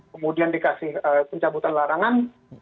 kemudian dikasih pencabutan larangan